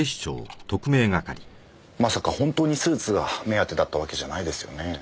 まさか本当にスーツが目当てだったわけじゃないですよね？